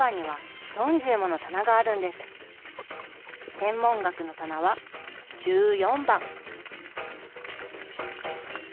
天文学の棚は１４番。